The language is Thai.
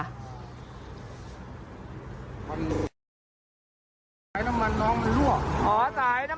ต่อเนื่องที่เรื่องของไฟไหม้เลยนะคะเดี๋ยวพาไปที่รถบุรี